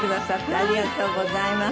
ありがとうございます。